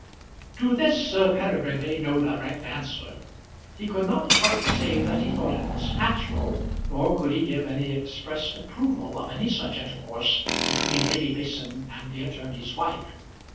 To this Sir Peregrine made no direct answer. He could not quite say that he thought it was natural, nor could he give any expressed approval of any such intercourse between Lady Mason and the attorney's wife.